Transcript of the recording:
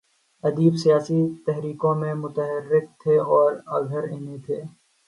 ادیب سیاسی تحریکوں میں متحرک تھے اور اگر نہیں تھے۔